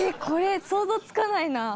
これ想像つかないな。